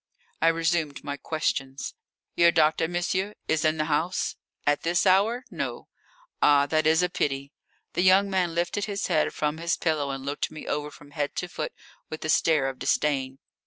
I resumed my questions: "Your doctor, monsieur, is in the house?" "At this hour? No." "Ah. That is a pity." The young man lifted his head from his pillow and looked me over from head to foot with a stare of disdain.